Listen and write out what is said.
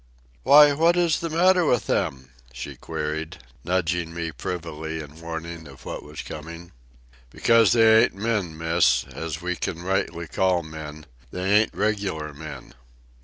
"Why, what is the matter with them?" she queried, nudging me privily in warning of what was coming. "Because they ain't men, Miss, as we can rightly call men. They ain't regular men."